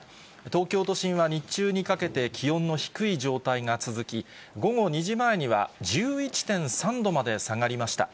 東京都心は日中にかけて気温の低い状態が続き、午後２時前には、１１．３度まで下がりました。